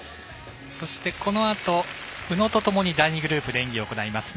そして、このあと宇野とともに第２グループで演技を行います